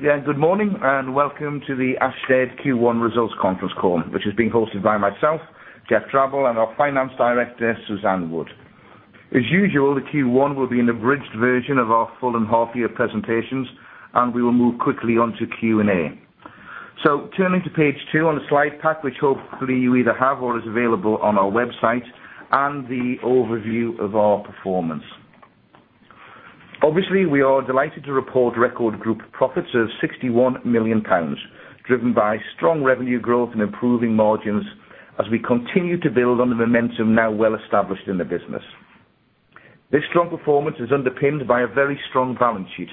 Good morning, welcome to the Ashtead Q1 results conference call, which is being hosted by myself, Geoff Drabble, and our Finance Director, Suzanne Wood. As usual, the Q1 will be an abridged version of our full and half year presentations, we will move quickly on to Q&A. Turning to page two on the slide pack, which hopefully you either have or is available on our website, the overview of our performance. Obviously, we are delighted to report record group profits of 61 million pounds, driven by strong revenue growth and improving margins as we continue to build on the momentum now well established in the business. This strong performance is underpinned by a very strong balance sheet.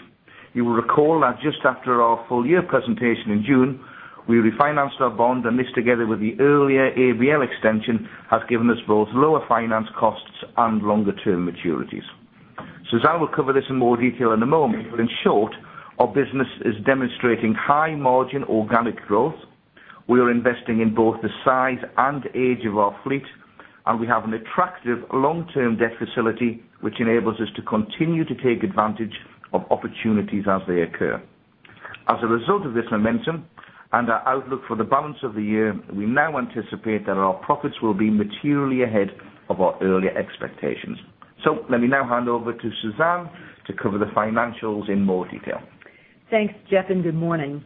You will recall that just after our full year presentation in June, we refinanced our bond, this, together with the earlier ABL extension, has given us both lower finance costs and longer-term maturities. Suzanne will cover this in more detail in a moment, in short, our business is demonstrating high margin organic growth. We are investing in both the size and age of our fleet, we have an attractive long-term debt facility, which enables us to continue to take advantage of opportunities as they occur. As a result of this momentum and our outlook for the balance of the year, we now anticipate that our profits will be materially ahead of our earlier expectations. Let me now hand over to Suzanne to cover the financials in more detail. Thanks, Geoff, good morning.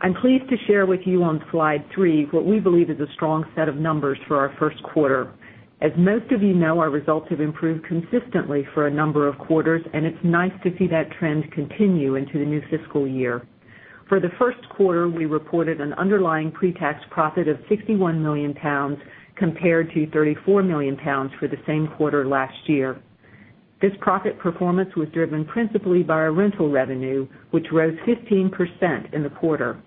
I'm pleased to share with you on slide three what we believe is a strong set of numbers for our first quarter. As most of you know, our results have improved consistently for a number of quarters, it's nice to see that trend continue into the new fiscal year. For the first quarter, we reported an underlying pre-tax profit of 61 million pounds, compared to 34 million pounds for the same quarter last year. This profit performance was driven principally by our rental revenue, which rose 15% in the quarter.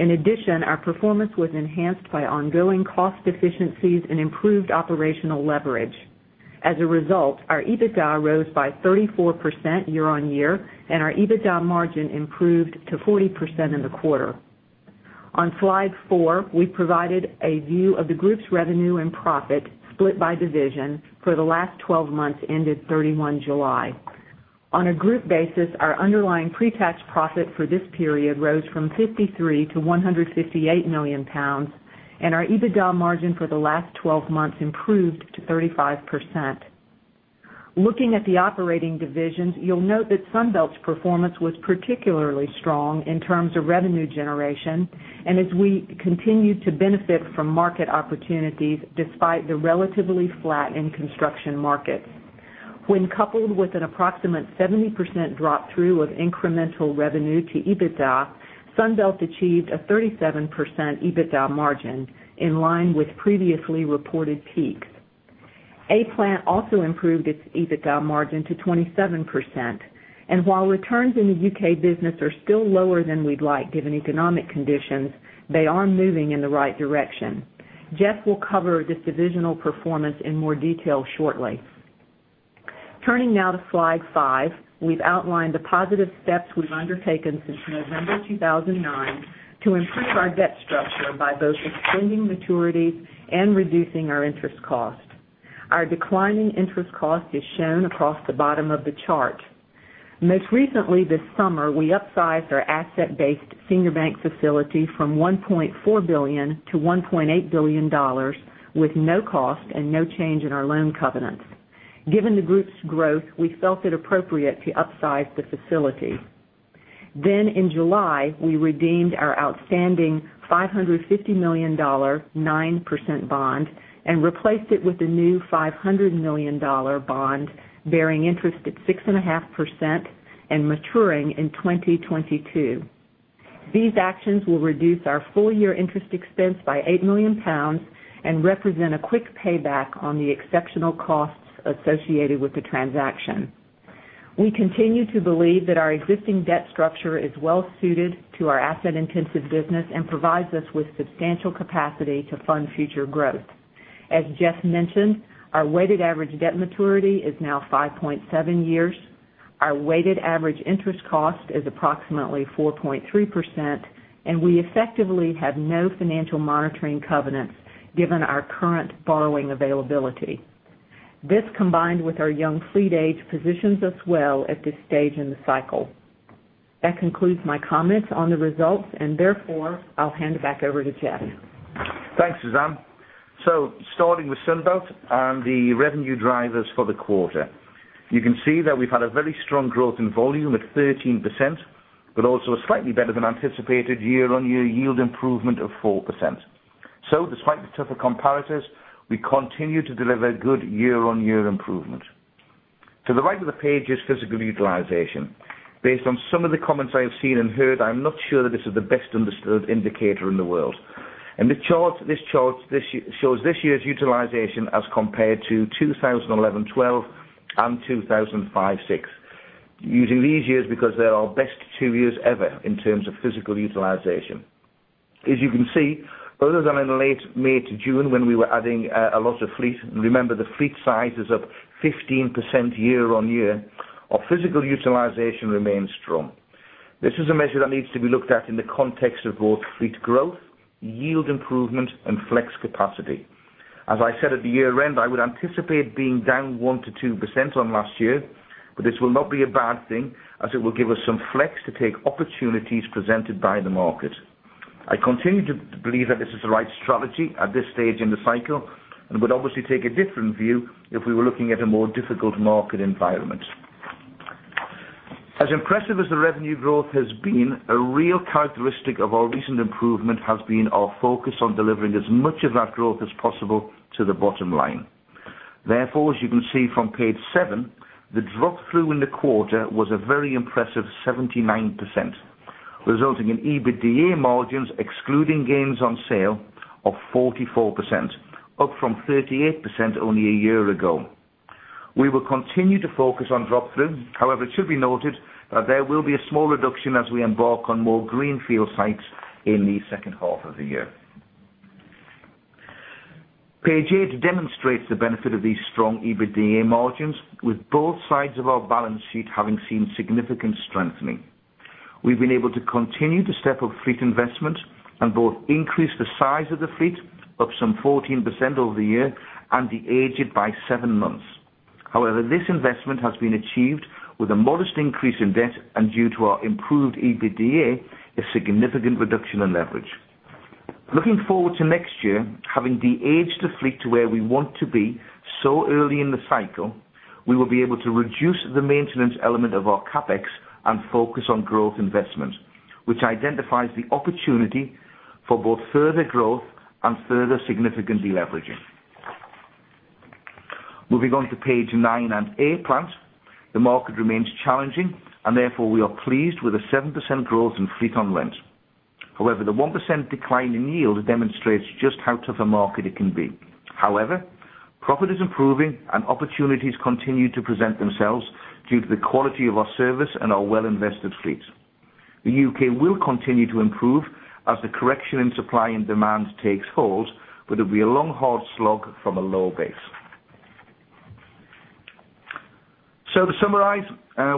In addition, our performance was enhanced by ongoing cost efficiencies and improved operational leverage. As a result, our EBITDA rose by 34% year-on-year, our EBITDA margin improved to 40% in the quarter. On slide four, we provided a view of the group's revenue and profit split by division for the last 12 months, ended July 31. On a group basis, our underlying pre-tax profit for this period rose from 53 to 158 million pounds, our EBITDA margin for the last 12 months improved to 35%. Looking at the operating divisions, you'll note that Sunbelt's performance was particularly strong in terms of revenue generation and as we continue to benefit from market opportunities despite the relatively flat in construction markets. When coupled with an approximate 70% drop-through of incremental revenue to EBITDA, Sunbelt achieved a 37% EBITDA margin in line with previously reported peaks. A-Plant also improved its EBITDA margin to 27%. While returns in the U.K. business are still lower than we'd like, given economic conditions, they are moving in the right direction. Geoff will cover this divisional performance in more detail shortly. Turning now to slide five, we've outlined the positive steps we've undertaken since November 2009 to improve our debt structure by both extending maturities and reducing our interest cost. Our declining interest cost is shown across the bottom of the chart. Most recently, this summer, we upsized our asset-based senior bank facility from $1.4 billion to $1.8 billion with no cost and no change in our loan covenants. Given the group's growth, we felt it appropriate to upsize the facility. In July, we redeemed our outstanding $550 million 9% bond and replaced it with a new $500 million bond bearing interest at 6.5% and maturing in 2022. These actions will reduce our full-year interest expense by 8 million pounds and represent a quick payback on the exceptional costs associated with the transaction. We continue to believe that our existing debt structure is well suited to our asset-intensive business and provides us with substantial capacity to fund future growth. As Geoff mentioned, our weighted average debt maturity is now 5.7 years. Our weighted average interest cost is approximately 4.3%, and we effectively have no financial monitoring covenants given our current borrowing availability. This, combined with our young fleet age, positions us well at this stage in the cycle. That concludes my comments on the results. Therefore, I'll hand it back over to Geoff. Thanks, Suzanne. Starting with Sunbelt and the revenue drivers for the quarter. You can see that we've had a very strong growth in volume at 13%, but also a slightly better than anticipated year-on-year yield improvement of 4%. Despite the tougher comparators, we continue to deliver good year-on-year improvement. To the right of the page is physical utilization. Based on some of the comments I have seen and heard, I'm not sure that this is the best understood indicator in the world. This chart shows this year's utilization as compared to 2011-2012 and 2005-2006. Using these years because they're our best two years ever in terms of physical utilization. As you can see, other than in late May to June when we were adding a lot of fleet, remember the fleet size is up 15% year-on-year. Our physical utilization remains strong. This is a measure that needs to be looked at in the context of both fleet growth, yield improvement, and flex capacity. As I said at the year-end, I would anticipate being down 1%-2% on last year, but this will not be a bad thing, as it will give us some flex to take opportunities presented by the market. I continue to believe that this is the right strategy at this stage in the cycle and would obviously take a different view if we were looking at a more difficult market environment. As impressive as the revenue growth has been, a real characteristic of our recent improvement has been our focus on delivering as much of that growth as possible to the bottom line. As you can see from page seven, the drop-through in the quarter was a very impressive 79%, resulting in EBITDA margins, excluding gains on sale, of 44%, up from 38% only a year ago. We will continue to focus on drop-through. It should be noted that there will be a small reduction as we embark on more greenfield sites in the second half of the year. Page eight demonstrates the benefit of these strong EBITDA margins, with both sides of our balance sheet having seen significant strengthening. We've been able to continue the step of fleet investment and both increase the size of the fleet up some 14% over the year and de-age it by seven months. This investment has been achieved with a modest increase in debt, and due to our improved EBITDA, a significant reduction in leverage. Looking forward to next year, having de-aged the fleet to where we want to be so early in the cycle, we will be able to reduce the maintenance element of our CapEx and focus on growth investment, which identifies the opportunity for both further growth and further significant de-leveraging. Moving on to page nine and A-Plant, the market remains challenging, and therefore, we are pleased with the 7% growth in fleet on rent. The 1% decline in yield demonstrates just how tough a market it can be. Profit is improving, and opportunities continue to present themselves due to the quality of our service and our well-invested fleet. The U.K. will continue to improve as the correction in supply and demand takes hold, but it will be a long, hard slog from a low base. To summarize,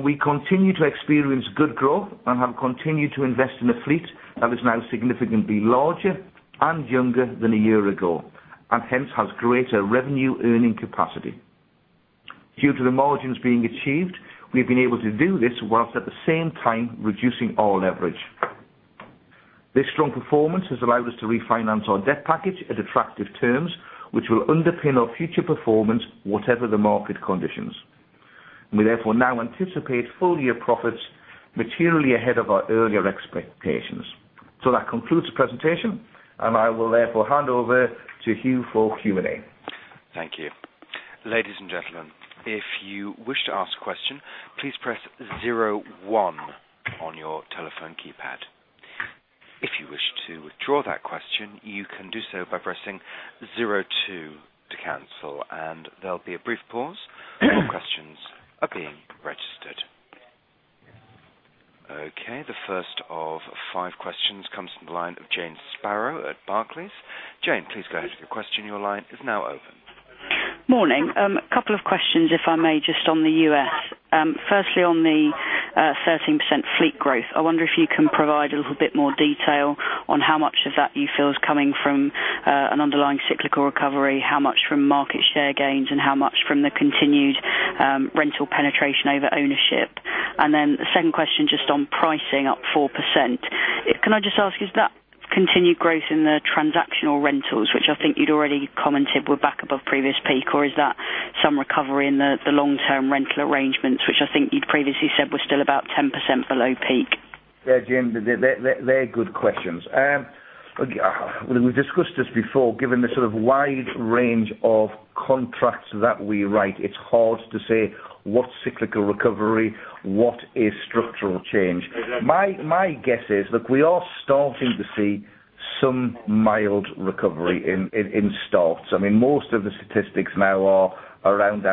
we continue to experience good growth and have continued to invest in a fleet that is now significantly larger and younger than a year ago, and hence has greater revenue earning capacity. Due to the margins being achieved, we have been able to do this whilst at the same time reducing our leverage. This strong performance has allowed us to refinance our debt package at attractive terms, which will underpin our future performance whatever the market conditions. We now anticipate full-year profits materially ahead of our earlier expectations. That concludes the presentation, and I will therefore hand over to Hugh for Q&A. Thank you. Ladies and gentlemen, if you wish to ask a question, please press zero one on your telephone keypad. If you wish to withdraw that question, you can do so by pressing zero two to cancel. And there'll be a brief pause while questions are being registered. Okay. The first of five questions comes from the line of Jane Sparrow at Barclays. Jane, please go ahead with your question. Your line is now open. Morning. A couple of questions, if I may, just on the U.S. Firstly, on the 13% fleet growth, I wonder if you can provide a little bit more detail on how much of that you feel is coming from an underlying cyclical recovery, how much from market share gains, and how much from the continued rental penetration over ownership. The second question, just on pricing up 4%, can I just ask, is that continued growth in the transactional rentals, which I think you'd already commented were back above previous peak? Or is that some recovery in the long-term rental arrangements, which I think you'd previously said were still about 10% below peak? Yeah, Jane, they're good questions. We discussed this before. Given the sort of wide range of contracts that we write, it's hard to say what's cyclical recovery, what is structural change. My guess is, look, we are starting to see some mild recovery in starts. Most of the statistics now are around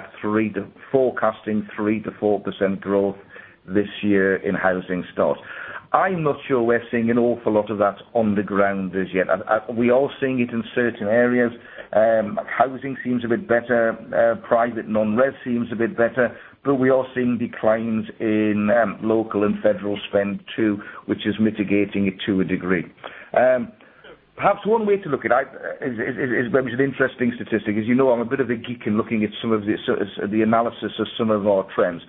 forecasting 3%-4% growth this year in housing starts. I'm not sure we're seeing an awful lot of that on the ground as yet. We are seeing it in certain areas. Housing seems a bit better. Private non-res seems a bit better, but we are seeing declines in local and federal spend too, which is mitigating it to a degree. Perhaps one way to look at it is perhaps an interesting statistic. As you know, I'm a bit of a geek in looking at some of the analysis of some of our trends.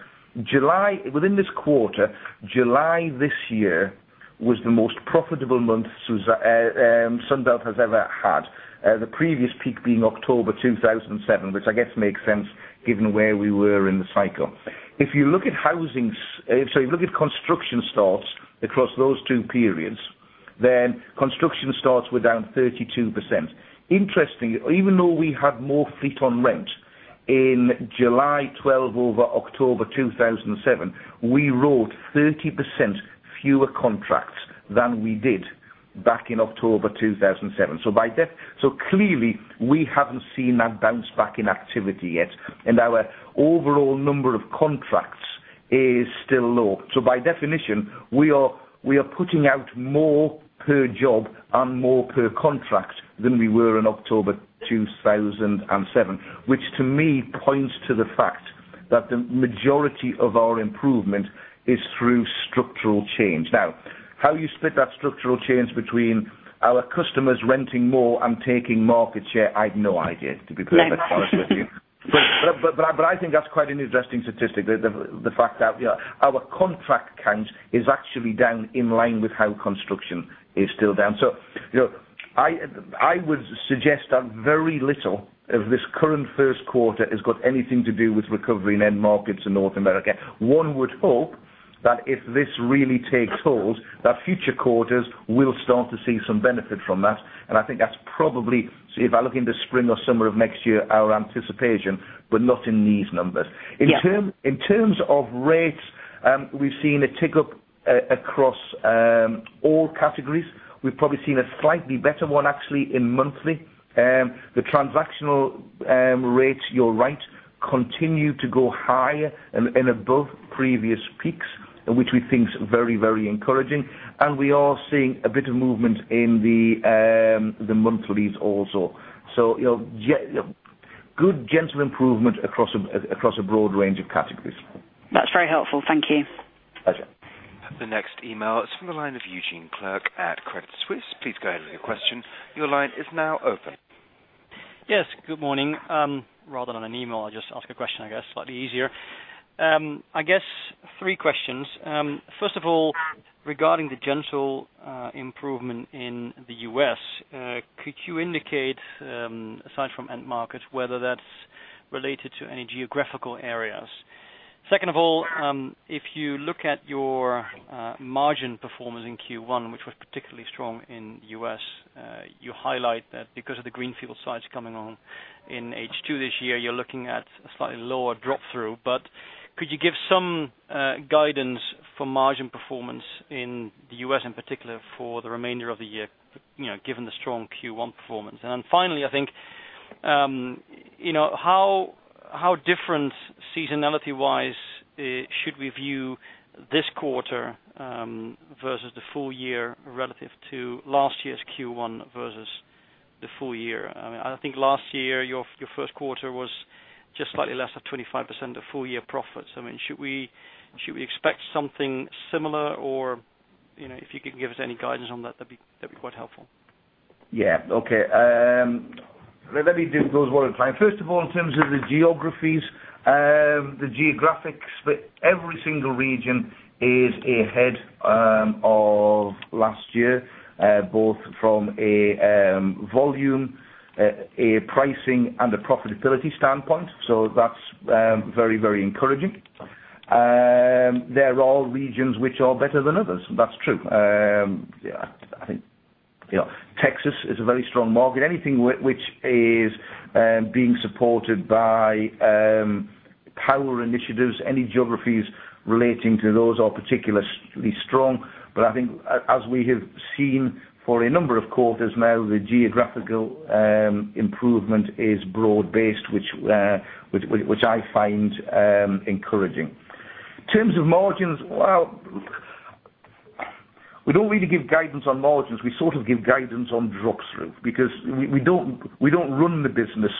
Within this quarter, July this year was the most profitable month Sunbelt has ever had. The previous peak being October 2007, which I guess makes sense given where we were in the cycle. If you look at construction starts across those two periods, construction starts were down 32%. Interestingly, even though we had more fleet on rent in July 2012 over October 2007, we wrote 30% fewer contracts than we did back in October 2007. Clearly we haven't seen that bounce back in activity yet, and our overall number of contracts is still low. By definition, we are putting out more per job and more per contract than we were in October 2007. Which to me points to the fact that the majority of our improvement is through structural change. How you split that structural change between our customers renting more and taking market share, I have no idea, to be perfectly honest with you. No. I think that's quite an interesting statistic, the fact that our contract count is actually down in line with how construction is still down. I would suggest that very little of this current first quarter has got anything to do with recovery in end markets in North America. One would hope that if this really takes hold, that future quarters will start to see some benefit from that. I think that's probably, see if I look into spring or summer of next year, our anticipation, but not in these numbers. Yeah. In terms of rates, we've seen a tick-up across all categories. We've probably seen a slightly better one, actually, in monthly. The transactional rates, you're right, continue to go higher and above previous peaks, which we think is very encouraging. We are seeing a bit of movement in the monthlies also. Good, gentle improvement across a broad range of categories. That's very helpful. Thank you. Pleasure. The next email is from the line of Eu-Gene Cheah at Credit Suisse. Please go ahead with your question. Your line is now open. Yes, good morning. Rather than an email, I'll just ask a question, I guess. Slightly easier. I guess three questions. First of all, regarding the gentle improvement in the U.S., could you indicate, aside from end markets, whether that's related to any geographical areas? Second of all, if you look at your margin performance in Q1, which was particularly strong in U.S., you highlight that because of the greenfield sites coming on in H2 this year, you're looking at a slightly lower drop-through. Could you give some guidance for margin performance in the U.S. in particular for the remainder of the year, given the strong Q1 performance? Finally, I think, how different seasonality-wise should we view this quarter versus the full year relative to last year's Q1 versus the full year? I think last year, your first quarter was just slightly less than 25% of full-year profits. Should we expect something similar or if you could give us any guidance on that'd be quite helpful. Yeah. Okay. Let me do those one at a time. First of all, in terms of the geographies, every single region is ahead of last year, both from a volume, a pricing, and a profitability standpoint. That's very encouraging. There are regions which are better than others. That's true. I think Texas is a very strong market. Anything which is being supported by power initiatives, any geographies relating to those are particularly strong. I think as we have seen for a number of quarters now, the geographical improvement is broad-based, which I find encouraging. In terms of margins, well, we don't really give guidance on margins. We sort of give guidance on drop-through, because we don't run the business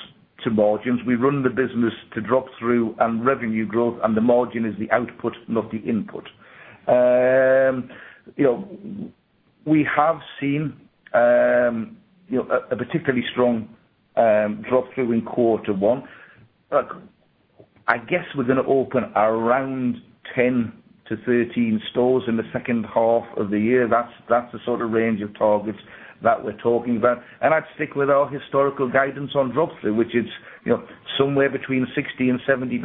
to margins. We run the business to drop-through and revenue growth, and the margin is the output, not the input. We have seen a particularly strong drop-through in quarter one. Look, I guess we're going to open around 10 to 13 stores in the second half of the year. That's the sort of range of targets that we're talking about. I'd stick with our historical guidance on drop-through, which is somewhere between 60% and 70%,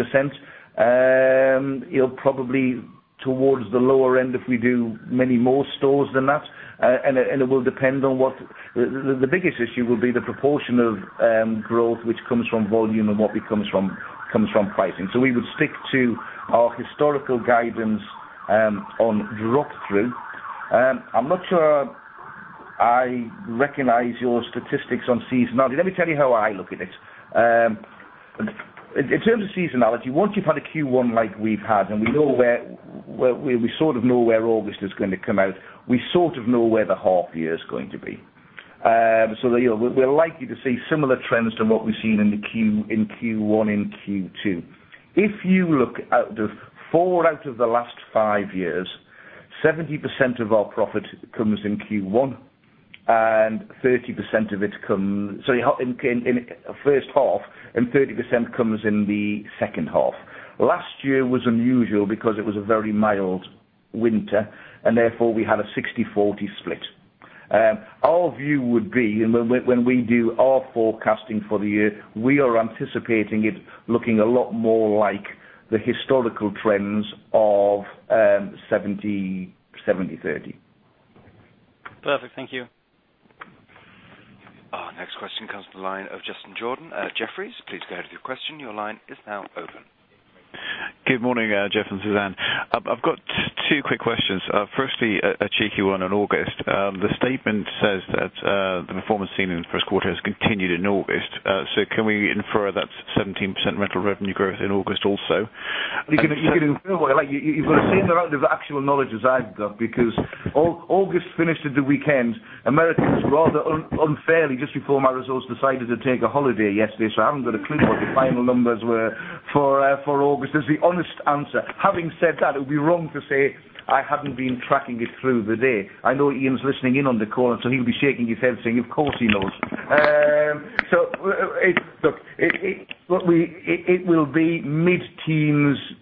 probably towards the lower end if we do many more stores than that. The biggest issue will be the proportion of growth which comes from volume and what comes from pricing. We would stick to our historical guidance on drop-through. I'm not sure I recognize your statistics on seasonality. Let me tell you how I look at it. In terms of seasonality, once you've had a Q1 like we've had, and we sort of know where August is going to come out, we sort of know where the half year is going to be. We're likely to see similar trends to what we've seen in Q1 and Q2. If you look out, four out of the last five years, 70% of our profit comes in Q1 and 30% of it comes in the first half, and 30% comes in the second half. Last year was unusual because it was a very mild winter, and therefore we had a 60-40 split. Our view would be, when we do our forecasting for the year, we are anticipating it looking a lot more like the historical trends of 70/30. Perfect. Thank you. Our next question comes from the line of Justin Jordan at Jefferies. Please go ahead with your question. Your line is now open. Good morning, Geoff and Suzanne. I've got two quick questions. Firstly, a cheeky one on August. The statement says that the performance seen in the first quarter has continued in August. Can we infer that's 17% rental revenue growth in August also? You can feel what you like. You've got the same amount of actual knowledge as I've got because August finished at the weekend. Americans rather unfairly, just before my results, decided to take a holiday yesterday, I haven't got a clue what the final numbers were for August. That's the honest answer. Having said that, it would be wrong to say I haven't been tracking it through the day. I know Ian's listening in on the call, he'll be shaking his head saying, "Of course he knows." Look, it will be mid-teens to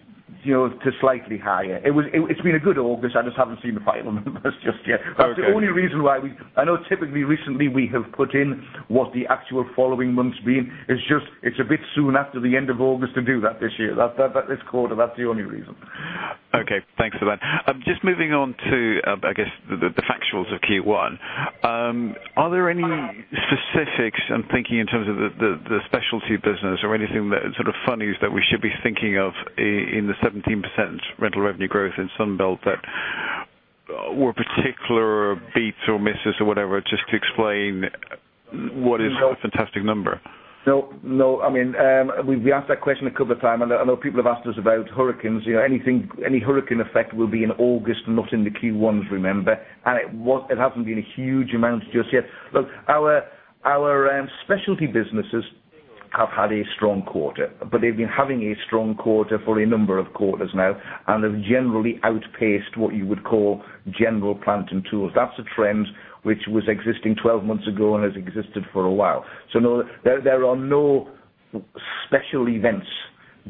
slightly higher. It's been a good August. I just haven't seen the final numbers just yet. Okay. That's the only reason why. I know typically recently we have put in what the actual following month's been. It's a bit soon after the end of August to do that this year. This quarter, that's the only reason. Okay. Thanks for that. Just moving on to, I guess, the factuals of Q1. Are there any specifics, I'm thinking in terms of the specialty business or anything, sort of funnies that we should be thinking of in the 17% rental revenue growth in Sunbelt that were particular beats or misses or whatever, just to explain what is a fantastic number? No. We've been asked that question a couple of times. I know people have asked us about hurricanes. Any hurricane effect will be in August, not in the Q1s, remember, it hasn't been a huge amount just yet. Look, our specialty businesses have had a strong quarter, but they've been having a strong quarter for a number of quarters now and have generally outpaced what you would call general plant and tools. That's a trend which was existing 12 months ago and has existed for a while. No, there are no special events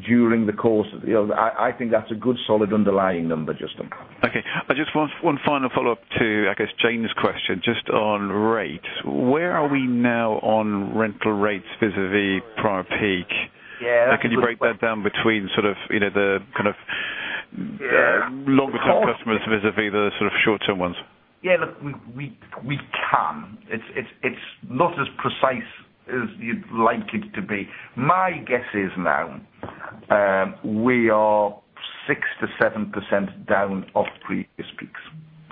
during the course. I think that's a good solid underlying number, Justin. Okay. Just one final follow-up to, I guess, Jane's question, just on rates. Where are we now on rental rates vis-a-vis prior peak? Yeah. That's a good question. Can you break that down between the kind of- Yeah. Longer term customers vis-a-vis the shorter term ones? Yeah. Look, we can. It's not as precise as you'd like it to be. My guess is now we are 6%-7% down off previous peaks.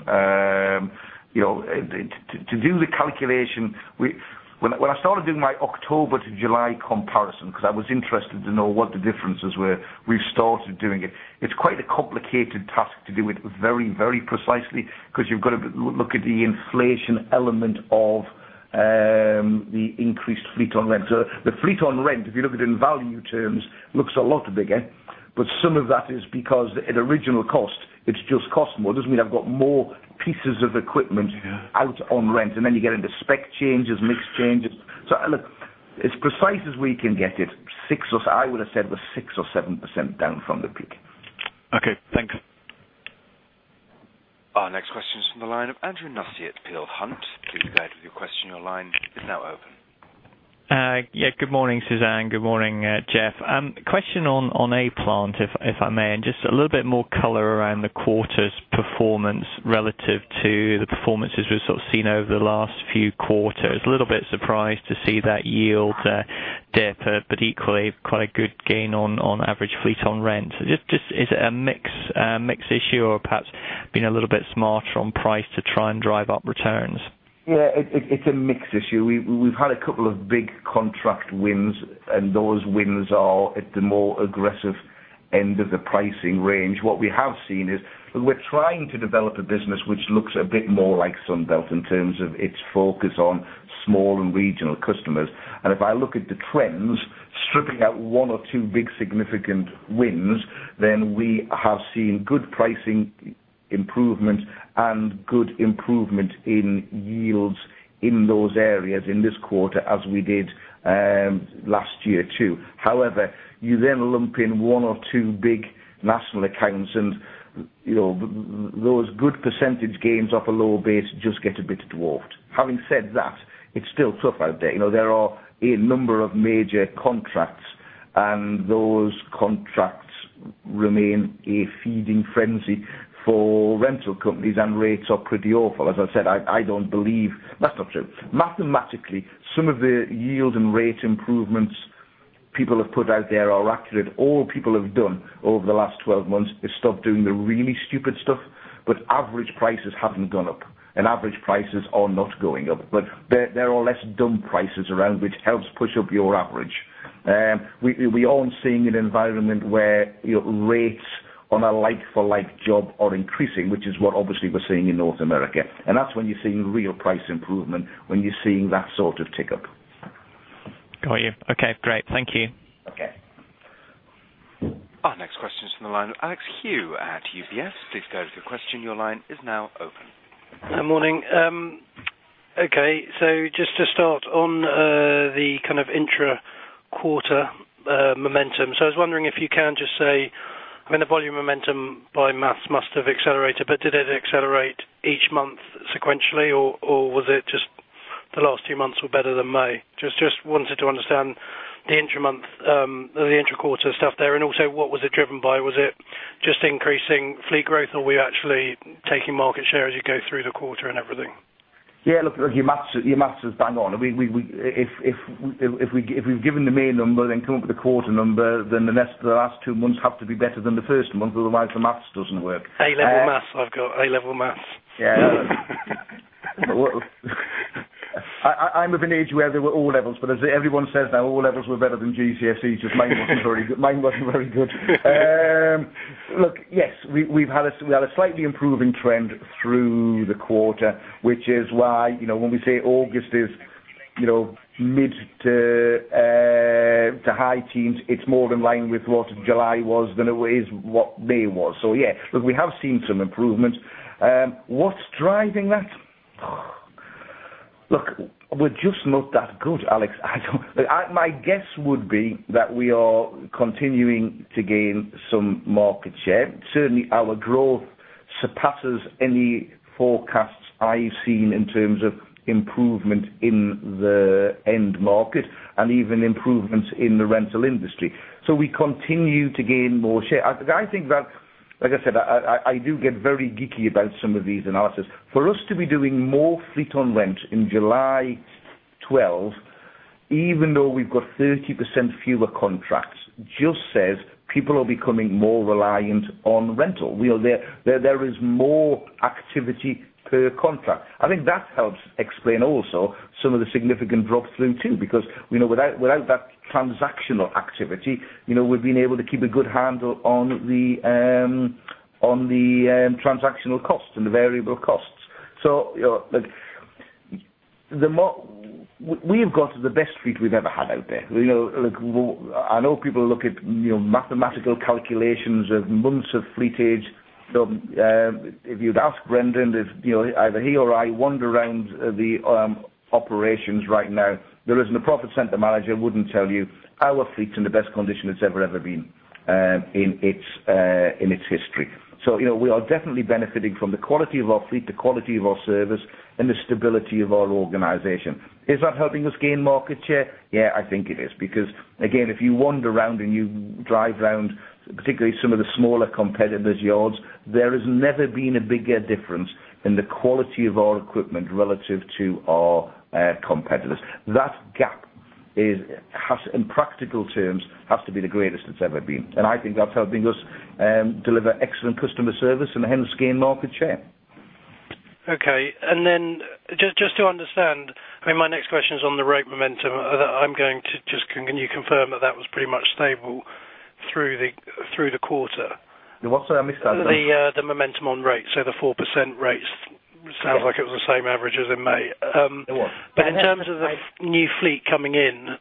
To do the calculation, when I started doing my October to July comparison, because I was interested to know what the differences were, we started doing it. It's quite a complicated task to do it very precisely because you've got to look at the inflation element of the increased fleet on rent. So the fleet on rent, if you look at it in value terms, looks a lot bigger, but some of that is because at original cost, it's just cost more. It doesn't mean I've got more pieces of equipment. Yeah out on rent, and then you get into spec changes, mix changes. Look, as precise as we can get it, I would have said we're 6% or 7% down from the peak. Okay. Thanks. Our next question is from the line of Andrew Nussey at Peel Hunt. Please go ahead with your question. Your line is now open. Good morning, Suzanne. Good morning, Geoff. Question on A-Plant, if I may, and just a little bit more color around the quarter's performance relative to the performances we've seen over the last few quarters. A little bit surprised to see that yield dip, but equally quite a good gain on average fleet on rent. Just is it a mix issue or perhaps being a little bit smarter on price to try and drive up returns? It's a mix issue. We've had a couple of big contract wins, and those wins are at the more aggressive end of the pricing range. What we have seen is we're trying to develop a business which looks a bit more like Sunbelt in terms of its focus on small and regional customers. If I look at the trends, stripping out one or two big significant wins, then we have seen good pricing improvement and good improvement in yields in those areas in this quarter as we did last year too. You then lump in one or two big national accounts, and those good percentage gains off a lower base just get a bit dwarfed. Having said that, it's still tough out there. There are a number of major contracts, and those contracts remain a feeding frenzy for rental companies, and rates are pretty awful. As I said, I don't believe that's not true. Mathematically, some of the yield and rate improvements people have put out there are accurate. All people have done over the last 12 months is stop doing the really stupid stuff, but average prices haven't gone up, and average prices are not going up. There are less dumb prices around, which helps push up your average. We aren't seeing an environment where rates on a like-for-like job are increasing, which is what obviously we're seeing in North America, and that's when you're seeing real price improvement, when you're seeing that sort of tick-up. Got you. Okay, great. Thank you. Okay. Our next question's from the line of Alexander Hugh at UBS. Please go ahead with your question. Your line is now open. Morning. Okay, just to start on the intra-quarter momentum. I was wondering if you can just say, the volume momentum by math must have accelerated, but did it accelerate each month sequentially, or was it just the last two months were better than May? Just wanted to understand the intra-quarter stuff there, and also what was it driven by? Was it just increasing fleet growth, or were you actually taking market share as you go through the quarter and everything? Yeah. Look, your math is bang on. If we've given the May number, then come up with a quarter number, then the last two months have to be better than the first month, otherwise the math doesn't work. A-level maths I've got. A-level maths. I'm of an age where there were O levels, but as everyone says now, O levels were better than GCSE, just mine wasn't very good. Look, yes, we had a slightly improving trend through the quarter, which is why when we say August is mid to high teens, it's more in line with what July was than it is what May was. Look, we have seen some improvement. What's driving that? Look, we're just not that good, Alex. My guess would be that we are continuing to gain some market share. Certainly, our growth surpasses any forecasts I've seen in terms of improvement in the end market and even improvements in the rental industry. We continue to gain more share. Like I said, I do get very geeky about some of these analyses. For us to be doing more fleet on rent in July 2012, even though we've got 30% fewer contracts, just says people are becoming more reliant on rental. There is more activity per contract. I think that helps explain also some of the significant drop-through too, because, without that transactional activity, we've been able to keep a good handle on the transactional costs and the variable costs. We have got the best fleet we've ever had out there. I know people look at mathematical calculations of months of fleet age. If you'd ask Brendan, either he or I wander around the operations right now. There isn't a profit center manager wouldn't tell you our fleet is in the best condition it's ever been in its history. We are definitely benefiting from the quality of our fleet, the quality of our service, and the stability of our organization. Is that helping us gain market share? I think it is. Again, if you wander around and you drive around, particularly some of the smaller competitors' yards, there has never been a bigger difference in the quality of our equipment relative to our competitors. That gap, in practical terms, has to be the greatest it's ever been, and I think that's helping us deliver excellent customer service and hence gain market share. Okay. Just to understand, my next question is on the rate momentum. Can you confirm that was pretty much stable through the quarter? What sorry, mate? The momentum on rates. The 4% rates sounds like it was the same average as in May. It was. In terms of the new fleet coming into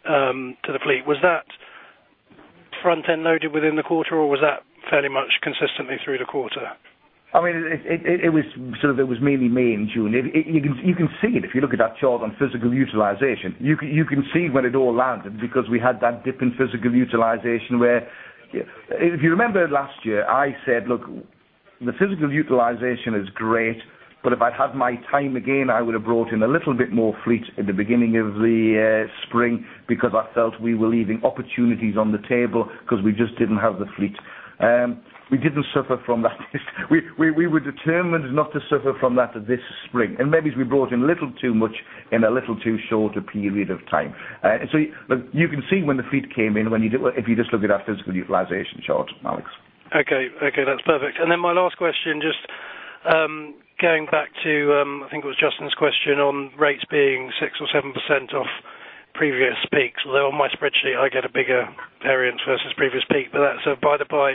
the fleet, was that front-end loaded within the quarter, or was that fairly much consistently through the quarter? It was mainly May and June. You can see it if you look at that chart on physical utilization. You can see when it all landed because we had that dip in physical utilization where if you remember last year, I said, "Look, the physical utilization is great, but if I had my time again, I would have brought in a little bit more fleet at the beginning of the spring because I felt we were leaving opportunities on the table because we just didn't have the fleet." We were determined not to suffer from that this spring. Maybe we brought in a little too much in a little too short a period of time. You can see when the fleet came in if you just look at our physical utilization chart, Alex. Okay. That's perfect. Then my last question, just going back to, I think it was Justin's question on rates being 6% or 7% off previous peaks. Although on my spreadsheet, I get a bigger variance versus previous peak, but that's by the by.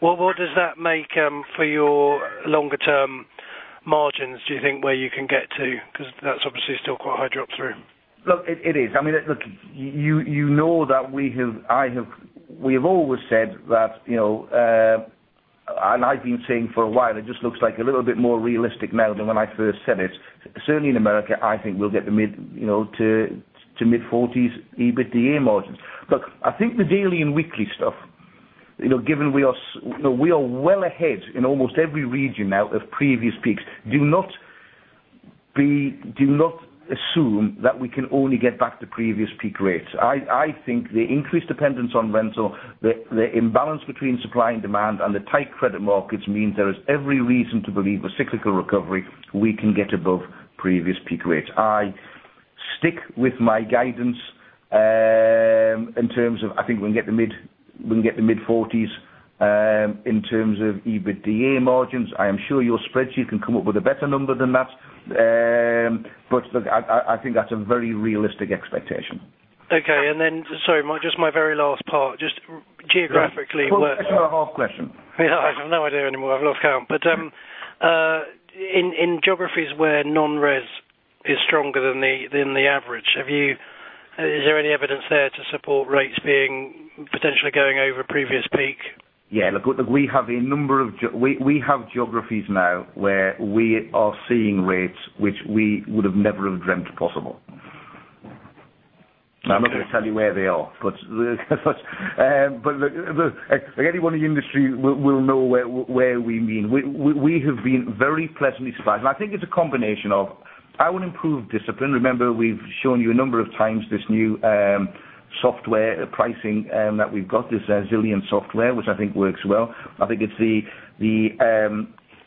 What does that make for your longer-term margins, do you think where you can get to? Because that's obviously still quite a high drop-through. Look, it is. You know that we have always said that, I've been saying for a while, it just looks a little bit more realistic now than when I first said it. Certainly in the U.S., I think we'll get to mid-40s EBITDA margins. Look, I think the daily and weekly stuff, given we are well ahead in almost every region now of previous peaks. Do not assume that we can only get back to previous peak rates. I think the increased dependence on rental, the imbalance between supply and demand, and the tight credit markets mean there is every reason to believe a cyclical recovery, we can get above previous peak rates. I stick with my guidance in terms of I think we can get the mid-40s in terms of EBITDA margins. I am sure your spreadsheet can come up with a better number than that. look, I think that's a very realistic expectation. Okay. Then, sorry, just my very last part. Just geographically where- Fourth question or half question. I have no idea anymore. I've lost count. In geographies where non-res is stronger than the average, is there any evidence there to support rates potentially going over previous peak? Yeah. We have geographies now where we are seeing rates which we would have never have dreamt possible. I'm not going to tell you where they are. Anyone in the industry will know where we mean. We have been very pleasantly surprised. I think it's a combination of our improved discipline. Remember, we've shown you a number of times this new software pricing that we've got, this Zilliant software, which I think works well. I think it's the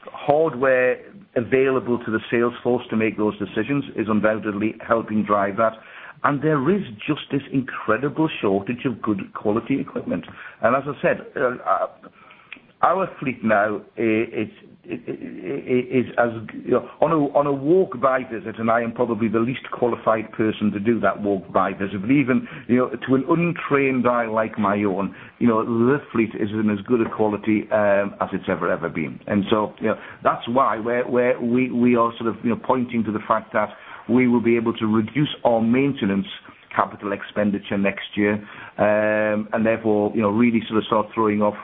hardware available to the sales force to make those decisions is undoubtedly helping drive that. There is just this incredible shortage of good quality equipment. As I said, our fleet now is on a walk-by visit, and I am probably the least qualified person to do that walk-by visit. Even to an untrained eye like my own, the fleet is in as good a quality as it's ever been. That's why we are pointing to the fact that we will be able to reduce our maintenance Capital Expenditure next year, and therefore, really start throwing off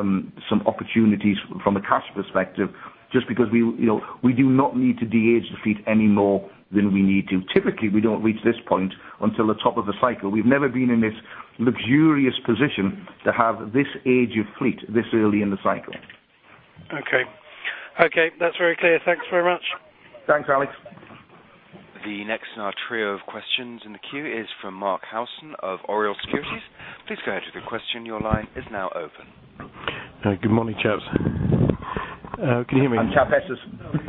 some opportunities from a cash perspective, just because we do not need to de-age the fleet any more than we need to. Typically, we don't reach this point until the top of the cycle. We've never been in this luxurious position to have this age of fleet this early in the cycle. Okay. That's very clear. Thanks very much. Thanks, Alex. The next in our trio of questions in the queue is from Mark Howson of Oriel Securities. Please go ahead with your question. Your line is now open. Good morning, chaps. Can you hear me? Chapesses.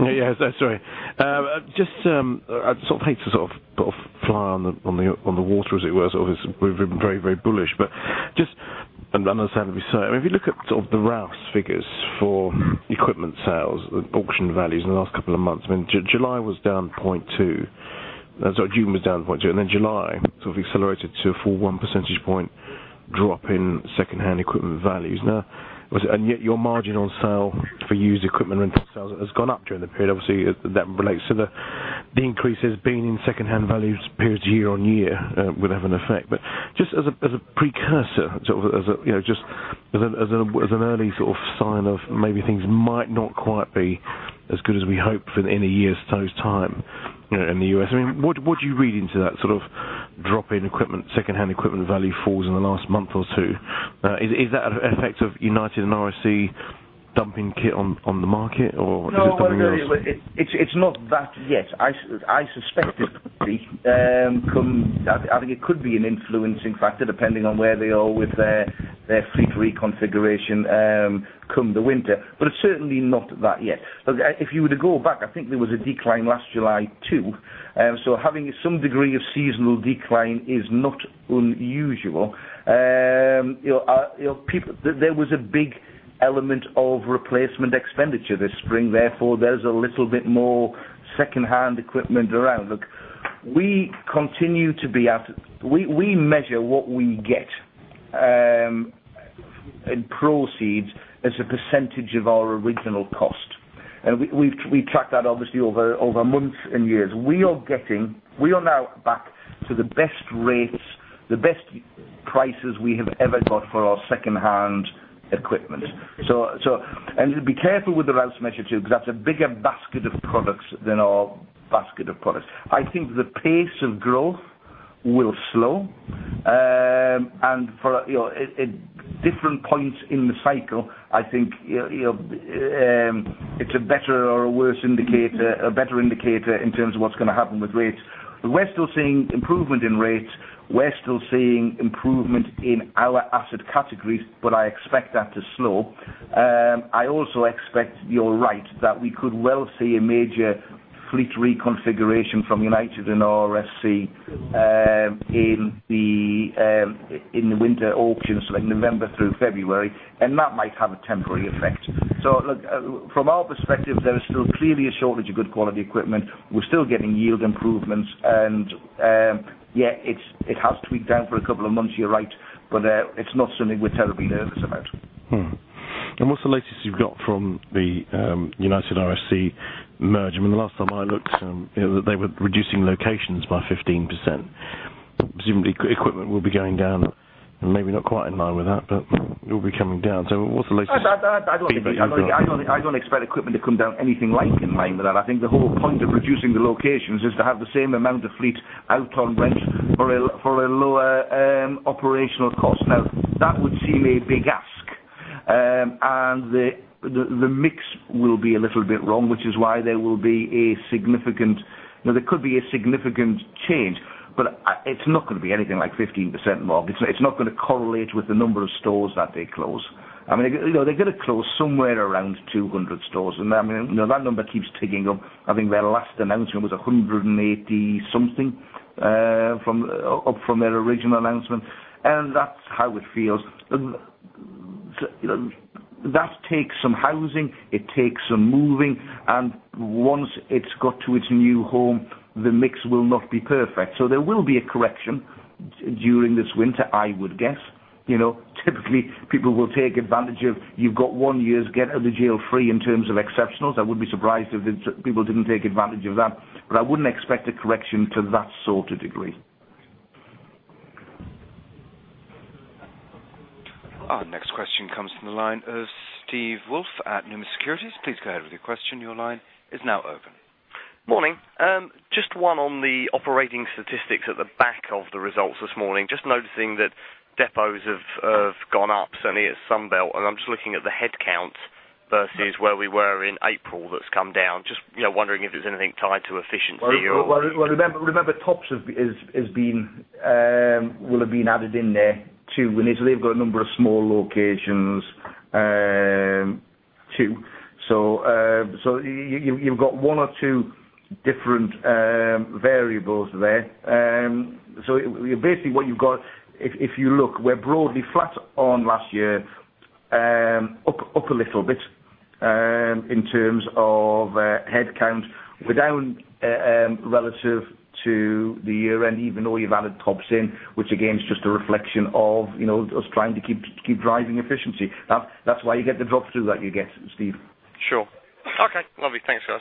Yes. Sorry. I hate to put a fly on the water, as it were. Obviously, we've been very bullish. Just, and understandably so, if you look at the Rouse figures for equipment sales, the auction values in the last couple of months, July was down 0.2. Sorry, June was down 0.2, then July accelerated to a full one percentage point drop in secondhand equipment values. Yet your margin on sale for used equipment rental sales has gone up during the period. Obviously, that relates to the increases being in secondhand values period year on year would have an effect. Just as a precursor, as an early sign of maybe things might not quite be as good as we hope in a year's time in the U.S. What do you read into that drop in secondhand equipment value falls in the last month or two? Is that an effect of United Rentals and RSC dumping kit on the market, or is it something else? No. It's not that yet. I suspect it could be. I think it could be an influencing factor depending on where they are with their fleet reconfiguration come the winter. It's certainly not that yet. If you were to go back, I think there was a decline last July too. Having some degree of seasonal decline is not unusual. There was a big element of replacement expenditure this spring. Therefore, there's a little bit more secondhand equipment around. Look, we measure what we get in proceeds as a percentage of our original cost. We track that obviously over months and years. We are now back to the best rates, the best prices we have ever got for our secondhand equipment. Be careful with the Rouse measure, too, because that's a bigger basket of products than our basket of products. I think the pace of growth will slow. For different points in the cycle, I think it's a better or a worse indicator, a better indicator in terms of what's going to happen with rates. We're still seeing improvement in rates. We're still seeing improvement in our asset categories, but I expect that to slow. I also expect you're right, that we could well see a major fleet reconfiguration from United Rentals and RSC in the winter auctions, like November through February, and that might have a temporary effect. Look, from our perspective, there is still clearly a shortage of good quality equipment. We're still getting yield improvements. Yeah, it has tweaked down for a couple of months, you're right. It's not something we're terribly nervous about. What's the latest you've got from the United Rentals RSC merger? The last time I looked, they were reducing locations by 15%. Presumably, equipment will be going down, and maybe not quite in line with that, but it will be coming down. What's the latest feedback you've got? I don't expect equipment to come down anything like in line with that. I think the whole point of reducing the locations is to have the same amount of fleet out on rent for a lower operational cost. That would seem a big ask. The mix will be a little bit wrong, which is why there will be a significant change, but it's not going to be anything like 15%, Mark. It's not going to correlate with the number of stores that they close. They're going to close somewhere around 200 stores. That number keeps ticking up. I think their last announcement was 180-something up from their original announcement. That's how it feels. That takes some housing, it takes some moving. Once it's got to its new home, the mix will not be perfect. There will be a correction during this winter, I would guess. Typically, people will take advantage of you've got one year's get out of jail free in terms of exceptionals. I wouldn't be surprised if people didn't take advantage of that. I wouldn't expect a correction to that sort of degree. Our next question comes from the line of Steve Woolf at Numis Securities. Please go ahead with your question. Your line is now open. Morning. Just one on the operating statistics at the back of the results this morning. Just noticing that depots have gone up certainly at Sunbelt. I'm just looking at the headcounts versus where we were in April that's come down. Just wondering if there's anything tied to efficiency or- Well, remember TOPS will have been added in there, too. They've got a number of small locations and two. You've got one or two different variables there. Basically what you've got, if you look, we're broadly flat on last year, up a little bit in terms of headcount, we're down relative to the year-end, even though you've added TOPS in, which again, is just a reflection of us trying to keep driving efficiency. That's why you get the drop-through that you get, Steve. Sure. Okay, lovely. Thanks, guys.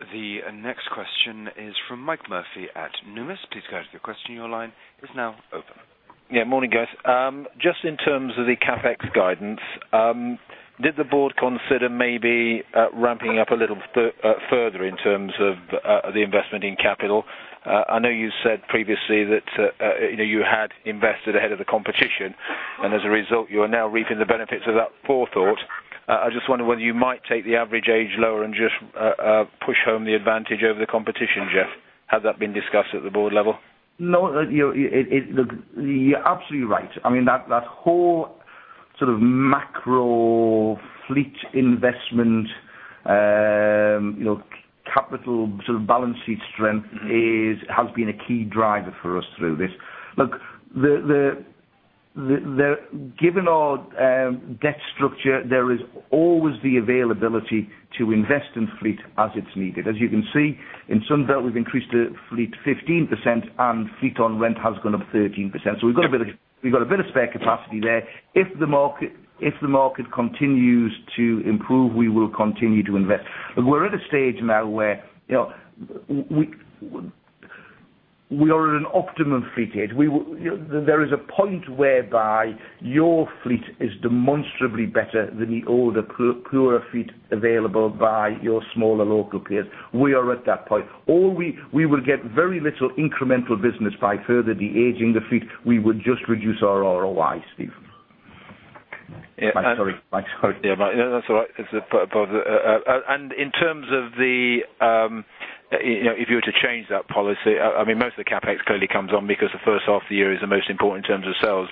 The next question is from Mike Murphy at Numis. Please go ahead with your question. Your line is now open. Yeah, morning, guys. Just in terms of the CapEx guidance, did the board consider maybe ramping up a little further in terms of the investment in capital? I know you said previously that you had invested ahead of the competition, and as a result, you are now reaping the benefits of that forethought. I just wonder whether you might take the average age lower and just push home the advantage over the competition, Geoff. Has that been discussed at the board level? No. You're absolutely right. That whole macro fleet investment, capital balance sheet strength has been a key driver for us through this. Look, given our debt structure, there is always the availability to invest in fleet as it's needed. As you can see, in Sunbelt, we've increased the fleet 15%, and fleet on rent has gone up 13%. We've got a bit of spare capacity there. If the market continues to improve, we will continue to invest. Look, we are at an optimum fleet age. There is a point whereby your fleet is demonstrably better than the older, poorer fleet available by your smaller local peers. We are at that point. We will get very little incremental business by further de-aging the fleet. We would just reduce our ROI, Steve. Yeah. Sorry. Mike, sorry. Yeah. No, that's all right. In terms of the If you were to change that policy, most of the CapEx clearly comes on because the first half of the year is the most important in terms of sales.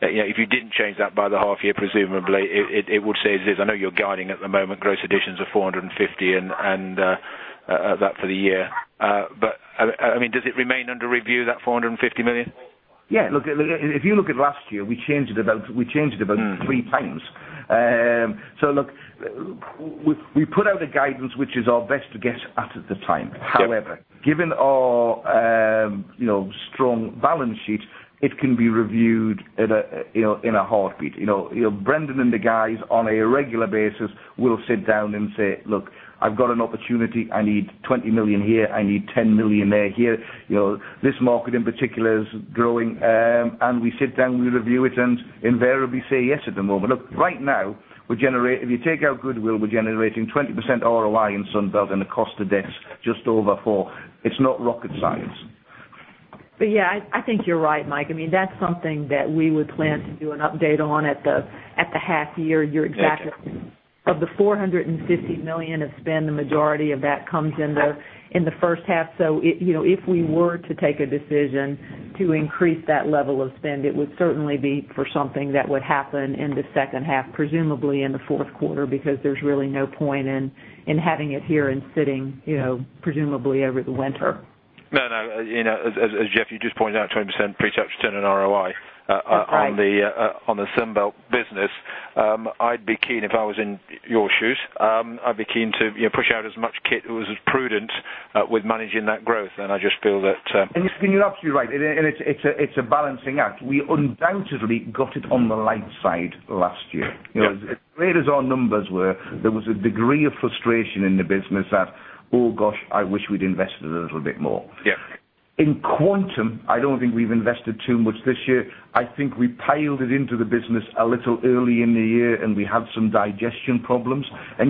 If you didn't change that by the half year, presumably, it would stay as it is. I know you're guiding at the moment gross additions of 450, and that for the year. Does it remain under review, that 450 million? Yeah. Look, if you look at last year, we changed it about three times. Look, we put out a guidance, which is our best guess at the time. Yeah. Given our strong balance sheet, it can be reviewed in a heartbeat. Brendan and the guys, on a regular basis, will sit down and say, "Look, I've got an opportunity. I need 20 million here. I need 10 million there, here. This market in particular is growing." We sit down, we review it, and invariably say yes at the moment. Look, right now, if you take out goodwill, we're generating 20% ROI in Sunbelt and a cost to debt just over four. It's not rocket science. Yeah, I think you're right, Mike. That's something that we would plan to do an update on at the half year. Of the 450 million of spend, the majority of that comes in the first half. If we were to take a decision to increase that level of spend, it would certainly be for something that would happen in the second half, presumably in the fourth quarter, because there's really no point in having it here and sitting presumably over the winter. As Geoff, you just pointed out, 20% pre-tax return on ROI- Right on the Sunbelt business. I'd be keen if I was in your shoes. I'd be keen to push out as much kit, it was as prudent with managing that growth. I just feel that- You're absolutely right, and it's a balancing act. We undoubtedly got it on the light side last year. Yeah. As great as our numbers were, there was a degree of frustration in the business that, oh, gosh, I wish we'd invested a little bit more. Yeah. In Quantum, I don't think we've invested too much this year. I think we piled it into the business a little early in the year, and we had some digestion problems. That's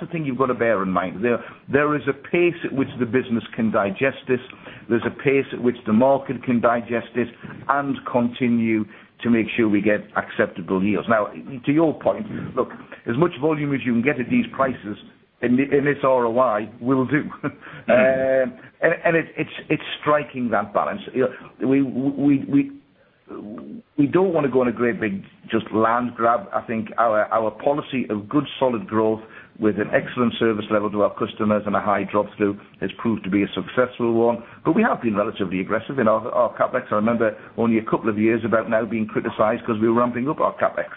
the thing you've got to bear in mind. There is a pace at which the business can digest this. There's a pace at which the market can digest it and continue to make sure we get acceptable yields. Now, to your point, look, as much volume as you can get at these prices and this ROI will do. It's striking that balance. We don't want to go on a great big just land grab. I think our policy of good, solid growth with an excellent service level to our customers and a high drop-through has proved to be a successful one. We have been relatively aggressive in our CapEx. I remember only a couple of years about now being criticized because we were ramping up our CapEx.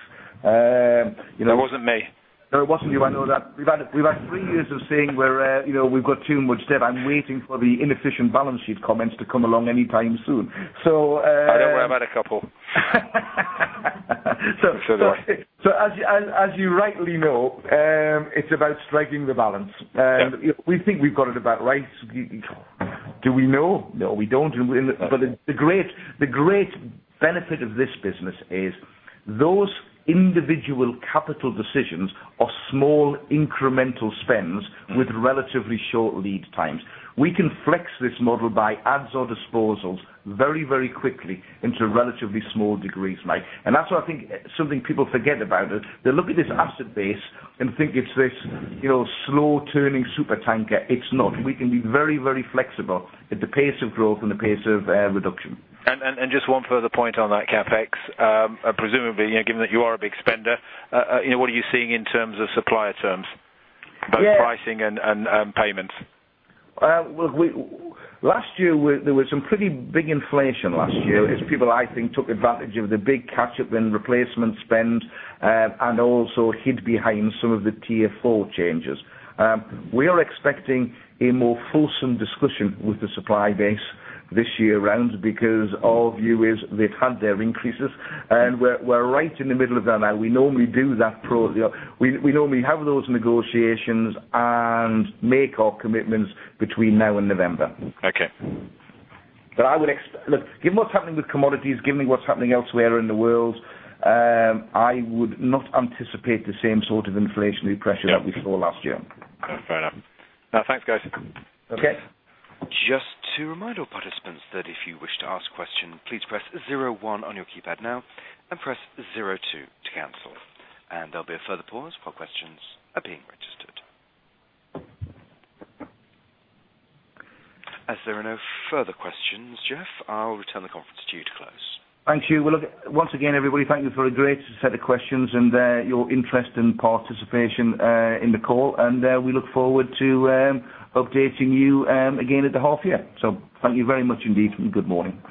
That wasn't me. No, it wasn't you. I know that. We've had three years of saying we've got too much debt. I'm waiting for the inefficient balance sheet comments to come along anytime soon. Don't worry, I've had a couple. I'm sure there are. As you rightly know, it's about striking the balance. Yeah. We think we've got it about right. Do we know? No, we don't. Okay. The great benefit of this business is those individual capital decisions are small incremental spends with relatively short lead times. We can flex this model by adds or disposals very, very quickly into relatively small degrees, Mike. That's what I think something people forget about it. They look at this asset base and think it's this slow turning supertanker. It's not. We can be very, very flexible at the pace of growth and the pace of reduction. Just one further point on that CapEx. Presumably, given that you are a big spender, what are you seeing in terms of supplier terms? Yeah. Both pricing and payments. Last year, there was some pretty big inflation last year as people, I think, took advantage of the big catch-up and replacement spend, and also hid behind some of the Tier 4 changes. We are expecting a more fulsome discussion with the supply base this year round because our view is they've had their increases, and we are right in the middle of that now. We normally have those negotiations and make our commitments between now and November. Okay. Look, given what's happening with commodities, given what's happening elsewhere in the world, I would not anticipate the same sort of inflationary pressure that we saw last year. Fair enough. No, thanks, guys. Okay. Just to remind all participants that if you wish to ask a question, please press zero one on your keypad now and press zero two to cancel. There'll be a further pause while questions are being registered. As there are no further questions, Geoff, I'll return the conference to you to close. Thank you. Well, look, once again, everybody, thank you for a great set of questions and your interest and participation in the call. We look forward to updating you again at the half year. Thank you very much indeed, and good morning.